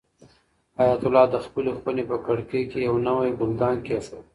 حیات الله د خپلې خونې په کړکۍ کې یو نوی ګلدان کېښود.